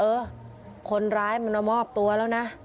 เออคนร้ายมันมามอบตัวแล้วนะ